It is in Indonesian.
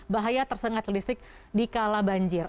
bahaya tersengat listrik di kala banjir